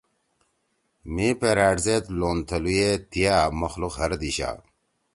مھی پرأٹھ زید لون تھلُوئے تیا مخلوق ھر دیِشا